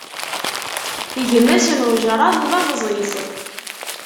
Gma-s,n ujṛad d abẓiẓ.